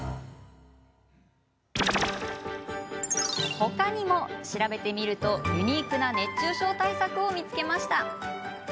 他にも調べてみるとユニークな熱中症対策を見つけました。